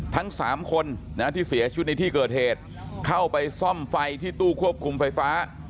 ทั้งสามคนที่เสียชีวิตในที่เกิดเหตุเข้าไปซ่อมไฟที่ตู้ควบคุมไฟฟ้า